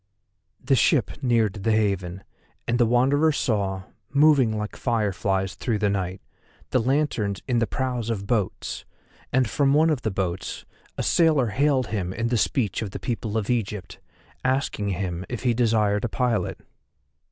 The ship neared the haven and the Wanderer saw, moving like fireflies through the night, the lanterns in the prows of boats, and from one of the boats a sailor hailed him in the speech of the people of Egypt, asking him if he desired a pilot.